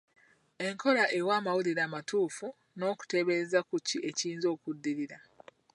Enkola ewa amawulire amatuufu n'okuteebereza ku ki ekiyinza okuddirira.